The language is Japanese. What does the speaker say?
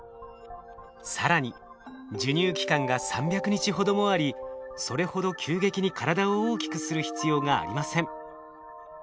更に授乳期間が３００日ほどもありそれほど急激に体を大きくする必要がありません。